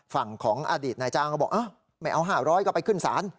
ฝั่งของอดีตนายจ้างก็บอกไม่เอา๕๐๐ก็ไปขึ้นศาล